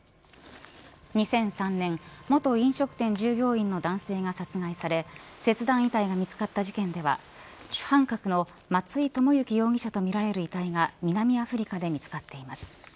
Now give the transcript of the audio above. ２００３年元飲食店従業員の男性が殺害され切断遺体が見つかった事件では主犯格の松井知行容疑者とみられる遺体が南アフリカで見つかっています。